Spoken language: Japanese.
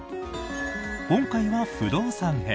今回は不動産編。